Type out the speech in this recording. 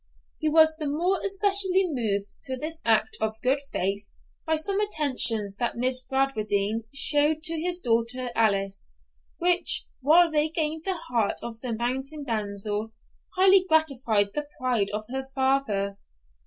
He was the more especially moved to this act of good faith by some attentions that Miss Bradwardine showed to his daughter Alice, which, while they gained the heart of the mountain damsel, highly gratified the pride of her father.